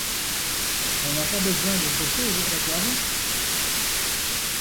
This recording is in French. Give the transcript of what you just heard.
On n’a pas besoin d’autre chose à la cave ?